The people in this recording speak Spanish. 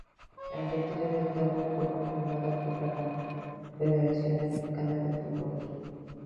El retiro de Togo fue confirmado por la Confederación Africana de Fútbol.